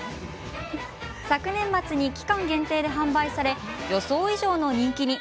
昨年末に期間限定で販売され予想以上の人気に。